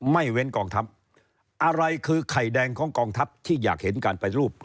ไม่เว้นกองทัพอะไรคือไข่แดงของกองทัพที่อยากเห็นการไปรูป